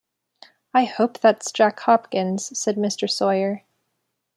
‘I hope that’s Jack Hopkins!’ said Mr. Sawyer.